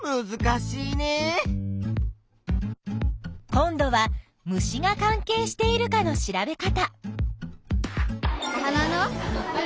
今度は虫が関係しているかの調べ方。